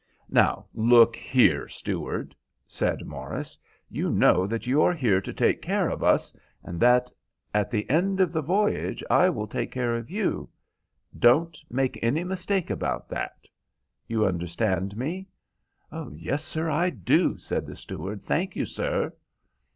"Now look here, steward," said Morris, "you know that you are here to take care of us, and that at the end of the voyage I will take care of you. Don't make any mistake about that. You understand me?" "Yes, sir, I do," said the steward. "Thank you, sir."